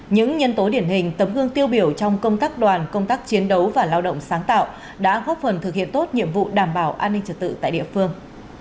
những nhân tố điển hình tấm gương tiêu biểu trong công tác đoàn công tác chiến đấu và lao động sáng tạo đã góp phần thực hiện tốt nhiệm vụ đảm bảo an ninh trật tự tại địa phương